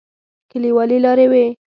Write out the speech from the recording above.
کليوالي لارې وې.